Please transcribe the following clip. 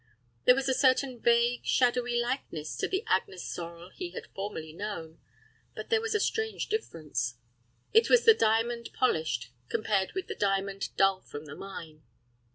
There was a certain vague, shadowy likeness to the Agnes Sorel he had formerly known, but yet there was a strange difference. It was the diamond polished, compared with the diamond dull from the mine.